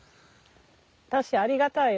正ありがたいよ。